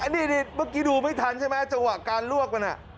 นี่เมื่อกี้ดูไม่ทันใช่ไหมจังหวะการลวกมัน